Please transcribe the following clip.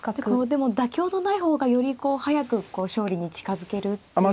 でも妥協のない方がより速く勝利に近づけるっていうことなんですか。